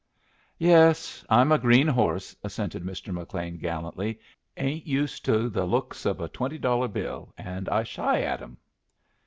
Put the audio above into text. "Yes, I'm a green horse," assented Mr. McLean, gallantly; "ain't used to the looks of a twenty dollar bill, and I shy at 'em."